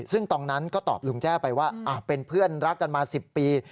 ซึ่งตอนนั้นก็ตอบลุงแจ้ไปว่าเป็นเพื่อนรักกันมา๑๐ปี